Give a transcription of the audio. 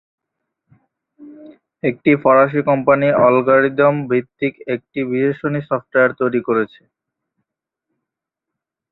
একটি ফরাসি company algorithm ভিত্তিক একটি বিশ্লেষণী সফটওয়্যার তৈরি করেছে।